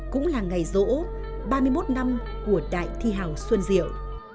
cũng là ngày rỗ ba mươi một năm của đại thi hảo xuân diệu